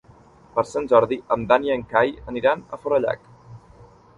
Per Sant Jordi en Dan i en Cai aniran a Forallac.